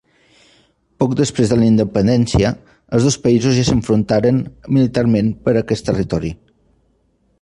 Poc després de la independència, els dos països ja s'enfrontaren militarment per aquest territori.